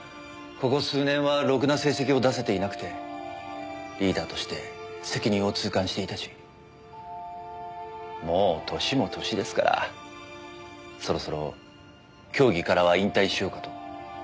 ここ数年はろくな成績を出せていなくてリーダーとして責任を痛感していたしもう年も年ですからそろそろ競技からは引退しようかと。